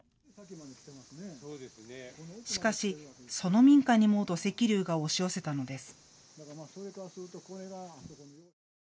しかし、その民家にも土石流が押し寄せたのです。